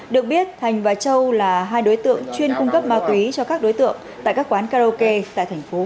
được biết thành và châu là hai đối tượng chuyên cung cấp ma túy cho các đối tượng tại các quán karaoke tại thành phố